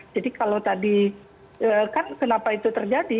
jadi kalau tadi kan kenapa itu terjadi